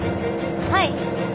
はい。